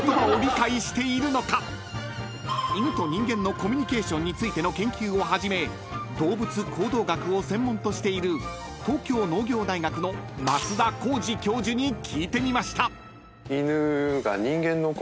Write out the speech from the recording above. ［犬と人間のコミュニケーションについての研究をはじめ動物行動学を専門としている東京農業大学の増田宏司教授に聞いてみました］